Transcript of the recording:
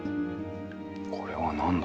これは何だろう。